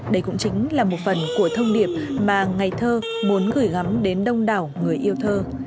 đây cũng chính là một phần của thông điệp mà ngày thơ muốn gửi gắm đến đông đảo người yêu thơ